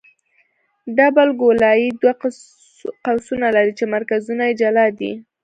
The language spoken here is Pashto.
ډبل ګولایي دوه قوسونه لري چې مرکزونه یې جلا دي